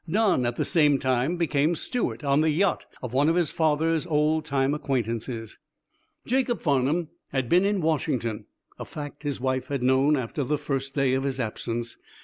Don, at the same time, became steward on the yacht of one of his father's old time acquaintances. Jacob Farnum had been in Washington, a fact his wife had known after the first day of his absence.